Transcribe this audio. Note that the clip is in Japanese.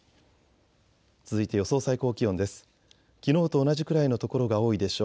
続いて予想最高気温です。